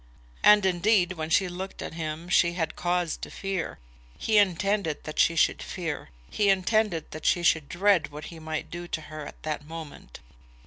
And, indeed, when she looked at him, she had cause to fear. He intended that she should fear. He intended that she should dread what he might do to her at that moment.